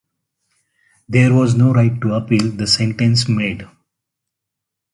There was no right to appeal the sentence made.